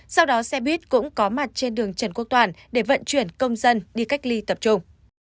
sau đó xe buýt cũng có mặt trên đường trần quốc toàn để vận chuyển công dân đi cách ly tập trung